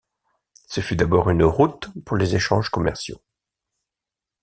Ce fut d'abord une route pour les échanges commerciaux.